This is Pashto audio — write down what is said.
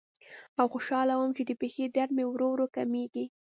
او خوشاله وم چې د پښې درد مې ورو ورو کمیږي.